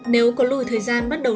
nếu có lùi thời gian bắt đầu